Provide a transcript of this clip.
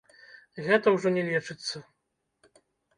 Гэта ўжо не лечыцца.